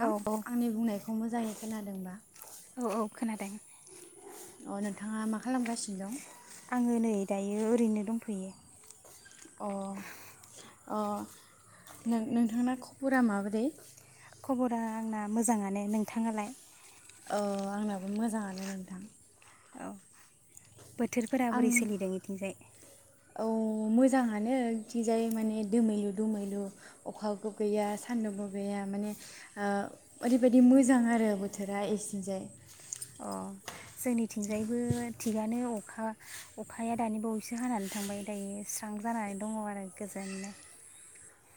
औ आंनि बुंनायखौ मोजांङै खोनाद जोंबा औ औ खोनादों। अ नोंथांङा मा खालामगासिनो दं? आंङो नै दायो ओरैनो दंथयो। अ अ नों नोंथांना खबरा माबोरै? खबरा आंना मोजानङानो नोंथांङा लाय? औ आंनाबो मोजांङानो नोंथां। औ बोथोरफोरा आं बोरै सोलिदों इथिंजाय? औ मोजांङानो इथिंजाय माने दोमैलु दोमैलु अखाबो गैया सानदुंबो गैया माने ओ ओरैबायादि मोजां आरो बोथोरा इथिंजाय। अ जोंनि थिंजायबो थिगानो अख खा अखाया दानि बावैसो हानानै थांबाय दायो स्रां जानानै दंङ आरो गोजोन नो।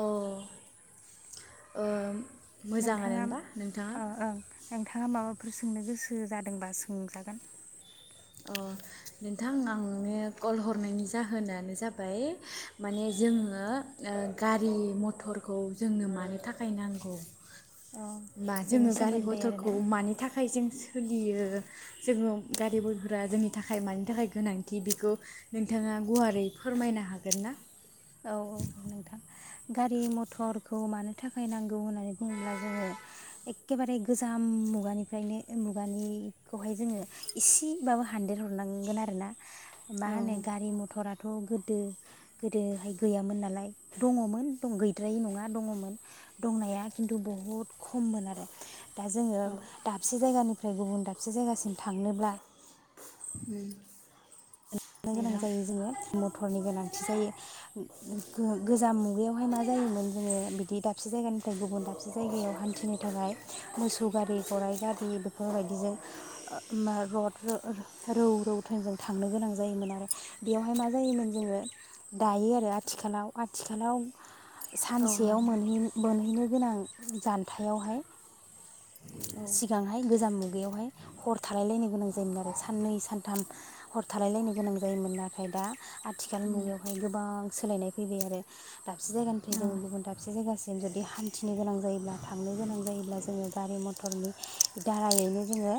अ ओम नोंथांङाम ओ ओ नोंथांङा माबा फोर सोंनो गोसो जादोंबा सोंजागोन। अ नोंथां आं नोंनो कल हरनायनि जाहोनानो जाबाय माने जोंङो ओ गारि मथरखौ जोंनो मानो थाखाय नांगौ अ बा बेनि जोंङो गारि सोमोन्दै मथरखौ आरोना मानि थाखाय जों सोलियो जोंङो गारि बयबो फोरा जोंनि थाखाय मानि थाखाय गोनांथि बेखौ नोंथाङा गुवारै फोरमायनो हागोन ना? औ औ नोंथां। गारि मथरखौ मानो थाखाय नांगौ होननानै बुंङोब्ला जोंङो एखे बारे गोजाम मुगानिफ्रायनो मुगानि खौहाय जोंङो इसे बाबो हानदेर हरनांगोन आरोना मा औ उम होनो गारि मथराथ' गोद दो गोद दोहाय गैयामोन नालाय दंङमोन दं गैद्राय नंङा दङमोन दंनाया खिन्थु बुहुद खममोन आरो दा जोंङो दाबसे जायगानि ओमफ्राय गुबुन दाबसे जायगासिम थांनोब्ला उम लानो गोनां जायो जोंङो मटरनि गोनांथि जायो गोजाम मुगायावहाय मा जायोमोन जोंङो बिदि दाबसे जायगानिफ्राय गुबुन दाबसे जायगायाव हान्थिनो थाखाय मोसौ गारि गराइ गारि बेफोरबायदिजों ओ रड रौ रौ थोन जों थांनो गोनां जायोमोन‌ आरो बेयावहाय मा जायोमोन जोंङो दायो आरो आथिखालाव आथिखालाव औ सानसेयाव नोंथां मोनहै बोनहैनो गोनां जान्थायावहाय औ सिगांहाय गोजाम मुगायावहाय हर थालाय लायनो गोनां जायोमोन आरो साननै सानथाम हर थालायलाय गोनां जायोमोन नाथाय दा आथिखाल मुगायावहाय गोबां सोलायनाय फैबाय आरो दाबसे जायगानिफ्राय जोंङो गुबुन दाबसे जायगासिम जुदि हान्थिनो गोनां जायोब्ला थांनो गोनां जायोब्ला जोंङो गारि मथरनि दारायैनो जोंङो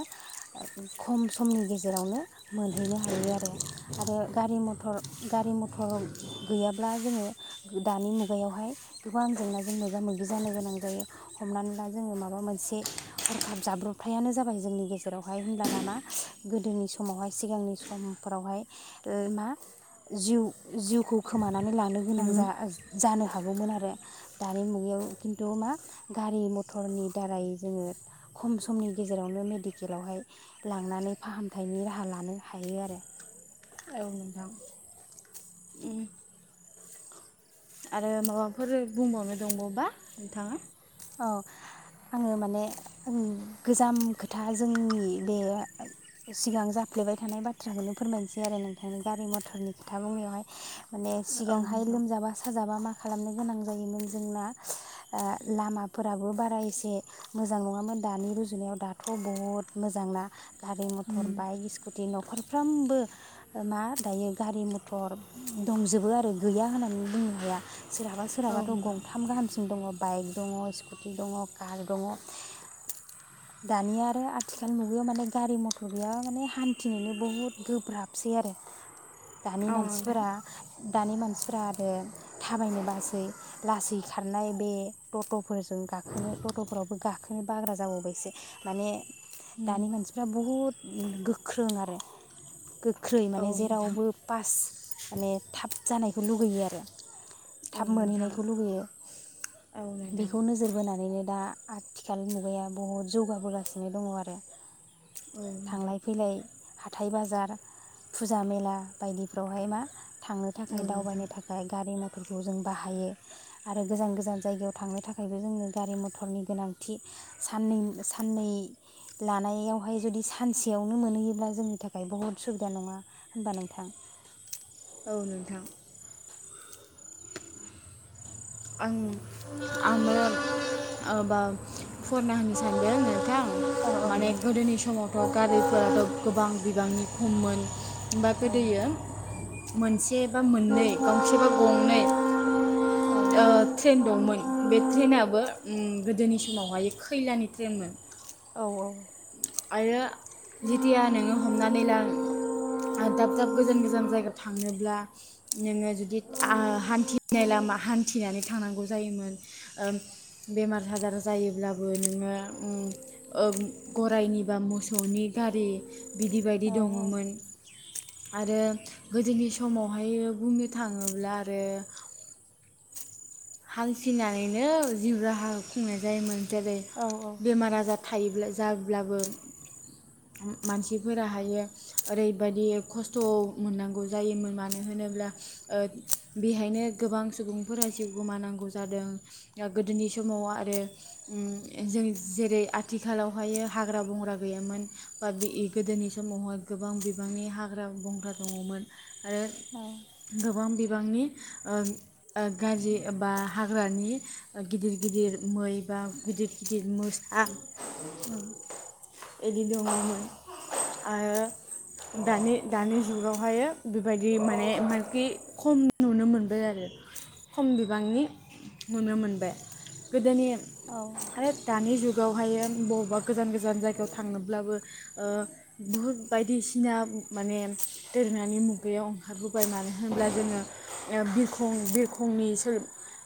खम समनि गेजेरावनो मोनहैनो हायो आरो। आरो गारि मथर गारि मथर गैयाब्ला जोंङो दानि मुगायावहाय गोबां जेंनाजों मोगा मोगि जानो गोनां जायो हमनानै ला जोंङो माबा मोनसे हरखाब जाब्रबथायानो जाबाय जोंनि गेजेरावहाय होमबब्ला नामा गोदोनि समावहाय सिगांनि समफोरावहाय ओ मा जिउ जिउखौ खोमा नानै लानो गोनां उम जा जानो हा हागौमोन आरो दानि मुगायाव खिन्थु मा गारि मथरनि दारै जोंङो खम समनि गेजेरावनो मेडिकेलावहाय लांनानै फाहामथायनि राहा लानो हायो आरो। औ नोंथां उम आरो माबाफोर बुंबावनो दंबावबा नोंथाङा? औ आंङो माने ओं गोजाम खोथा जोंनि बे सिगां जाफ्लेबाय थानाय बाथ्राखौनो फोरमायनोसै आरो नोंथां गारि मथरनि खोथा बुंनायावहाय माने औ नोंथां सिगांहाय लोमजाबा साजाबा मा खालामनो गोनां जायोमोन जोंना ओ लामाफोराबो बारा एसे मोजां नङामोन दानि रुजुनायाव दाथ बहुद मोजांना गारि, मथर, बाइक, स्कुटि नखरफ्रामबो ओ मा दायो गारि मथर दंजोबो आरो गैया होननानै बुंनो हाया। सोरहाबा औ सोरहाबाथ नोंथां गंथाम गाहाम दङ बाइक दङ स्कुटि दङ कार दङ दानि आरो आथिखाल मुगायाव माने गारि मथर गैयाब्ला माने हान्थिनोनो बुहुद गोब्राबसै आरो। दानि औ नोंथां मानसिफोरा दानि मानसिफ्रा आरो थाबायनोबासै लासै खारनाय बे टटफोरजों गाखोनो टटफोरावबो गाखोनो बाग्रा जाबावबायसो माने दानि मानसिफ्रा बहुद गोख्रों आरो गो ख्रै औ माने जेरावबो पास माने थाब जानायखौ लुगैयो आरो थाब नोंथां मोनहैनायखौ लुुबैयो औ नोंथां औ नोंथां औ नोंथां बेखौ नोजोर बोना नै नो दा आथिखाल मुगाया बहुद जौगाबोगासिनो दङ आरो औ थांलाय फैलाय हाथाय बाजार फुजा मेला बायदिफ्रावहाय मा थांनो थाखाय नोंथां दावबायनो थाखाय गारि मथर फोरखौ जों बाहायो आरो गोजान गोजान जायगायाव थांनो थाखायबो जोङो गारि मथरनि गोनांथि साननै- साननै लानायावहाय जुदि सानसेयावनो मोनहैयोब्ला जोंनि थाखाय बहुद सुबिदा नङा होनबा नोंथां? औ नोंथां। आं आंङो आ बा फुवारना होनो सानदों। बा औ औ माने दे दे गोदोनि समाव बा गारिफोराथ गोबां बिबांनि खममोन होमबा औ गोदोयो मोनसे बा मोननै गंसे बा गंनै औ ओ ट्रेन दंमोन। बे ट्रेनाबो उम गोदोनि समावहाय खैलानि ट्रेनमोन औ औ। आरो जेथिया नोङो हमनानै ला ओ दाब दाब गोजान गोजान जायगायाव थांनोब्ला नोङो जुदि आ हान्थिनाय लामा हान्थिनानै थांनांगौ जायोमोन ओ बेमार आजार जायोब्लाबो नोङो उम ओ गद गरायनिबा मोसौनि गारि बिदि बदि औ दङमोन। आरो गोदोनि समावहाय बुंनो थाङोब्ला आरो हान्थिनानैनो जिब राहा खुंनाय जायोमोन। जेरै औ बेमार आजार थायोब्ला जाब्लाबो उम मानसिफोराहायो ओरैबदि खस्थ मोननांगौ जायोमोन मानो होनोब्ला ओ बेहायनो गोबां सुबुंफोरा सि जिउ गोमानांगौ जादों ओ गोदोनि समाव आरो उम जों जेरै आथिखालावहाय हाग्रा बंग्रा गैयामोन बा बे गोदोनि समावहाय गोबां बिबांनि हाग्रा बंग्रा दङमोन आरो औ गोबां बिबांनि ओं आ गाज्रि बा हाग्रानि ओ गिदिर गिदिर मै बा गिदिर गिदिर मोसा उम खम बिबांनि नुनो मोनबाय गोदोनि औ आरो दानि जुगावहाय बबावबा गोजान गोजान जायगायाव थांनोब्लाबो ओ बुहुद बायदिसिना माने दोरोनानि मुगायाव ओंखारबोबाय मानो होनब्ला जोङो ओ बिरखं बिरखं फुंनिसोन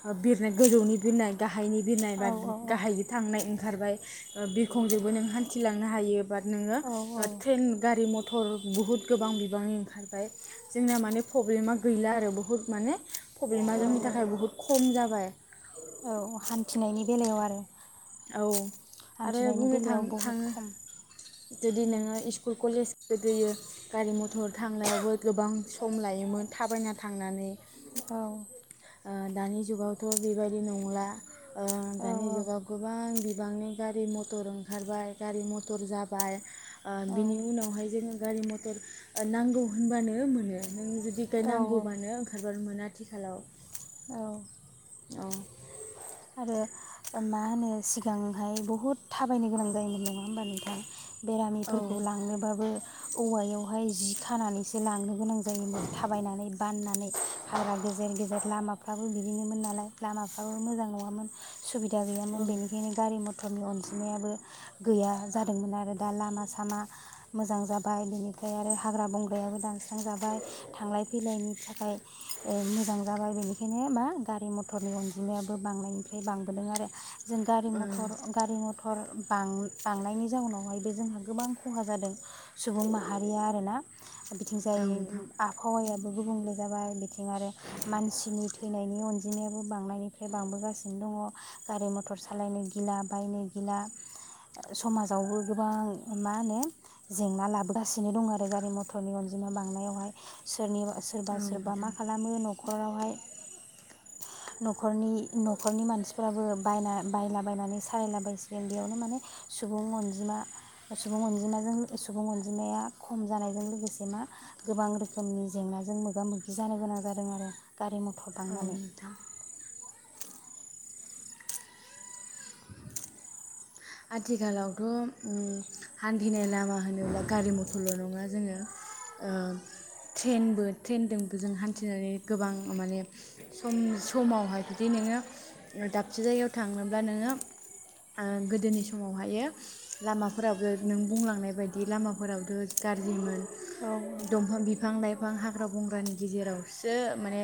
ओ बिरनाय गोजौनि बिरनाय गा गाहायनि बिनाय औ बा गाहायै थांनाय ओंखारबाय ओ बिरखंजोंबो नों हान्थिलांनो हायो बाद नोङो औ ओ ट्रेन गारि मथर बुहुत गोबां बिबांनि ओंखारबाय जोंना माने प्रब्लेमा गैला आरो बुहुत माने प्र ब्लेमा जोंनि औ थाखायाय बहुत खम जाबाय। औ हान्थिनायनि बेलायाव आरो औ। आरो हान्थिनायनि बुंनो बेलायाव बहुद थां-थाङो खम जुदि नोङो इस्कुल कलेजाव गोदोयो गारि मथर थांनायावबो गोबां सम लायोमोन थाबायना थांनानै औ ओ दानि जुगावथ बेबायदि नंला ओ औ दानि जुगाव गोबां बिबांनि गारि मथर ओंखारबाय गारि मथर जाब बार ओ बिनि उनावहाय जोङो गारि मथर ओ नांगौ होनबानो मोनो नों जुदि औ नांगौबानो ओंखारबानो मोनो आथिखालाव औ औ अ आरो मा होनो सिगांहाय बहुद थाबायनो गोनां जायोमोन नङा होमबा नोंथां। औ बेरामिफोरखौ लांनोबाबो औवायाव हाय जि खानानैसो लांनो गोनां जायोमोन थाबायनानै बाननानै हाग्रा गेजेर गेजेर लां फ्राबो बिदिनोमोन नालाय लामाफ्राबो मोजां नङामोन सुबिदा औ गैयामोन बेनिखायनो गारि मथरनि अनजिमायाबो गैया जादोंमोन आरो दा लामा सामा मोजां जाबाय बिनिफ्राय आरो हाग्रा बंग्रायाबो दान स्रांजाबाय थांलाय फैलायनि थाख खाय ओ मोजां जाबाय बेनिखायनो मा गारि मथरनि अनजिमायाबो बांनायनिफ्रा [unintelligible] बांबोदों आरो जों गारि औ मथर गारि मथर बां-बांनायनि जाउनावहायबो जोंहा गोबां खहा जादों सुबुं माहारिया आरोना बिथिं जाय औ नोंथां आबहावायाबो गुबुंले जाबाय बिथिं आरो मानसिनि थैनायनि अनजि बिदिनियाबो बांनायनिफ्राय बांबोगासिन नो दङ गारि मथर सालायनो गिला बायनो गिला समाजावबो गोबां मा होनो जेंना लाबोगासिनो दं आरो गारि मथरनि अनजिमा बांनायावहाय सोरनिबा सोरबा औ सोरबा मा नोंथां खालामो न'खरावहाय न'खरनि न'खरनि मानसिफोराबो बायना बायलाबायनानै सालायलाबायसिगोन बेयावनो माने सुबुं अनजिमा सुबुं अनजिमाजों सुबुं अनजिमाया खम जानायजों लोगोसे मा गोबां रोखोमनि जेंनाजों मोगा मोगि जानो गोनां जादों आरो गारि मथर औ बांनानै नोंथां आथिखालावथ' हान्थिनाय लामा होनोब्ला गारि मथरल' नङा जोङो ट्रेनबो ट्रेनजोंबो जों हान्थिनानै गोबां माने सम समावहाय बिदि नोङो दाबसे जायगायाव थांनोब्ला नोङो ओ [unintelligible] गोदोनि समावहायो लामाफोरावबो नों बुंलांनाय बायदि लामाफोरावथ गाज्रिमोन औ औ दंफां बिफां लाइफां हाग्रा बंग्रानि गेजेरावसो माने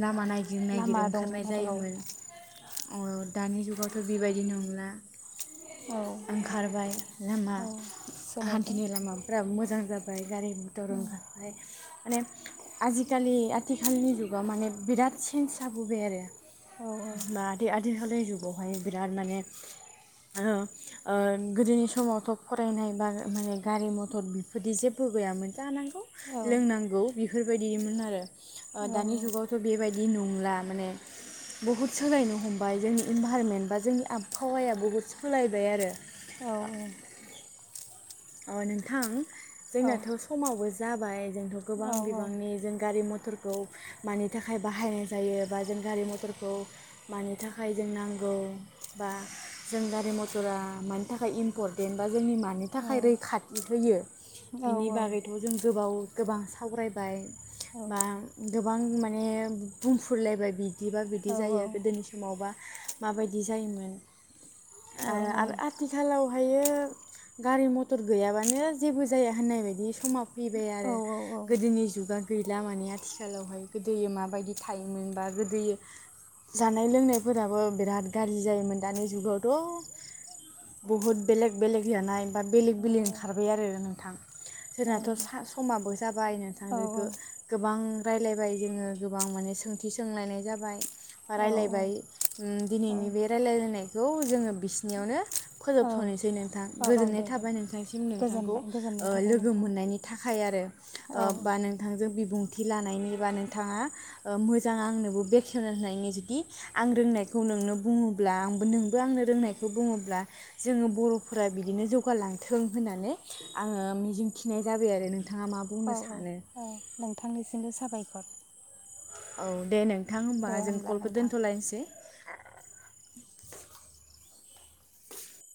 लामा नाय गिर नागिर लामा ओंखारनाय दंमोन आरो जायोमोन दानि जुगावथ' बेबायदि नंला औ ओंखारबाय लामा औ सोलायबाय हान्थिनाय लामाफोरा मोजां मोजां जाबाय गारि मथर उम ओंखारबाय माने आजिखालि आथिखालनि जुगाव माने बिराद सेेन्ज जाबोबाय आरो औ औ माथो आ आथिखालनि जुगावहाय बिराद माने गोदोनि समावथ' फरायनाय बा माने गारि मथर बेफोरदि जेबो गैयामोन जानांगौ औ लोंनांगौ बेफोरबायदिमोन आरो औ औ दानि जुगावथ' बेबायदि नंला माने बुहुद सोलायनो हमबाय जोंनि इनभाइरमेन्ट बा जोंनि आबहावाया बुहुद सोलायबाय आरो औ अ नोंथां जोंनाथ' समावबो जाबाय जोंथ' औ गोबां बिबांनि जों गारि मटरखौ मानि थाखाय बाहायनाय जायो बा जों गारि मटरखौ मानि थाखाय जों नांगौ बा जों गारि मटरा मानि थाखाय इम्परटेन्ट बा जोंनि मानि थाखाय आ रैखाथि होयो औ बिनि बागैथ' जों गोबाव गोबां सावरायबाय बा गोबां माने बुंफुरलायबाय बिदिबा बिदि जायो गोदोनि समावबा माबायदि जायोमोन आरो आथिखालावहायो गारि मथर मटर गैयाबानो जेबो जाया होननाय बायदि समा फैबाय आरो गोदोनि जुगा गैला माने आथिखालावहाय गोदो माबायदि थायोमोन बा गोदो जानाय लोंनायफोराबो बिराद गाज्रि जायोमोन दानि जुगावथ' बहुद बेलेग बेलेग जानाय बा बेलेग बेलेग ओंखारबाय आरो नोंथां जोंनाथ' समाब बो जाबाय नोंथांजोंगो गोबां रायलायबाय जोङो गोबां माने सोंथि सोंलायनाय जाबाय बा राय्लायबाय दिनैनि बे रायलायलायनायखौ जोङो बिसिनियावनो फोजोबथ'नोसै नोंथां औ गोजोननाय दे दे थाबाय नोंथां सि नोंथांखौ गोजोनबाय गोजोननाय थाबाय लोगो नोंथां मोननायनि थाखाय आरो औ ओ बा नोंथांजों बिबुंथि लनि बा नोंथा मोजां आंनो बेखे होननि जुदि आं रोंनायखौ नोंनो बुङोब्लाों आंनो रोंनायखौ बुङोब जोङो बर'फोरा बिदिनो जौ खगारलांथों होननानै आङो मिजिंथिनाय जाबाय आरो नों औ औ औ नोंथांनिसिमबो साबायखर [unintelligible] औ दे नों नोंथां होमबा दे जों होमब्ला कलखौ नोंथां दोन्थ'लायनोसै